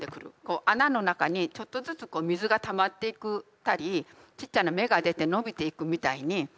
穴の中にちょっとずつ水がたまっていったりちっちゃな芽が出て伸びていくみたいに。